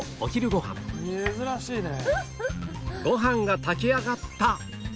ご飯が炊き上がった